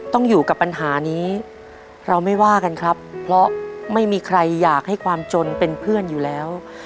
ต้องอยู่กับปัญหานี้เราไม่ว่ากันครับเพราะไม่มีใครอยากให้ความจนเป็นเพื่อนอยู่แล้ว